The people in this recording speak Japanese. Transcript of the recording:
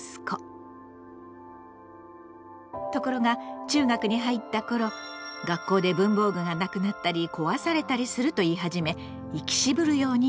ところが中学に入った頃学校で文房具がなくなったり壊されたりすると言い始め行き渋るようになった。